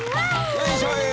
よいしょい！